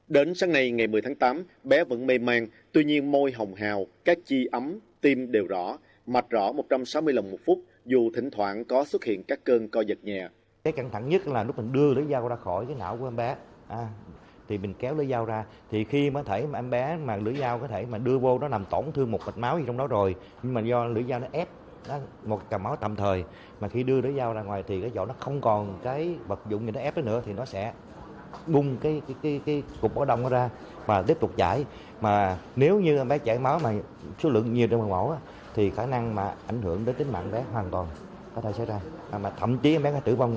đến sáng nay ngày một mươi tháng tám bé vẫn mê màn tuy nhiên môi hồng hào các chi ấm tim đều rõ mạch rõ một trăm sáu mươi lần một phút dù thỉnh thoảng có xuất hiện các cân con giật nhẹ